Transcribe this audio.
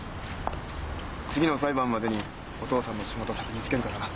次の裁判までにお父さんの仕事先見つけるからな。